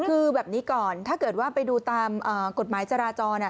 คือแบบนี้ก่อนถ้าเกิดว่าไปดูตามกฎหมายจราจร